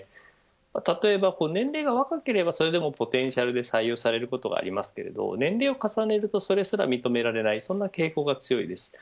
例えば年齢が若ければそれでもポテンシャルで採用されることもありますが年齢を重ねると、それすら認められない傾向が強いです。